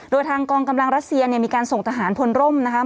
โดยทางกองกำลังรัสเซียเนี่ยมีการส่งทหารพลร่มนะคะ